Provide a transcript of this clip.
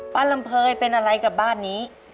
ลำเภยเป็นอะไรกับบ้านนี้